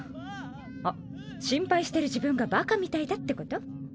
あっ心配してる自分がバカみたいだってこと？